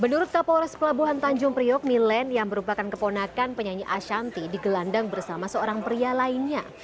menurut kapolres pelabuhan tanjung priok milen yang merupakan keponakan penyanyi ashanti digelandang bersama seorang pria lainnya